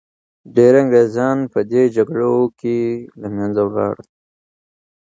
ډیر انګریزان په دې جګړو کي له منځه لاړل.